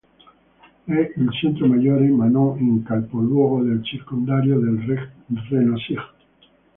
È il centro maggiore, ma non il capoluogo, del circondario del Reno-Sieg.